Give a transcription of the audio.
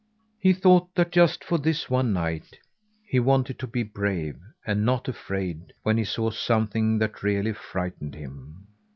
He thought that just for this one night he wanted to be brave, and not afraid when he saw something that really frightened him.